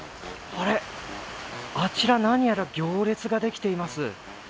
あれっ、あちら何やら行列ができています。